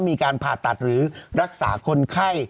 มีการผ่าตัดหรือรักษาคนไข้